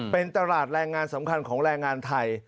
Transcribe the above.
เป็นตลาดแรงงานสำคัญของแรงงานไทย